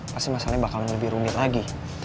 pasti masalahnya bakalan lebih rumit lagi